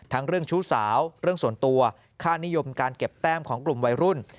เรื่องชู้สาวเรื่องส่วนตัวค่านิยมการเก็บแต้มของกลุ่มวัยรุ่น